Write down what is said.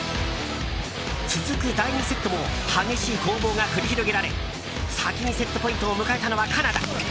続く第２セットも激しい攻防が繰り広げられ先にセットポイントを迎えたのはカナダ。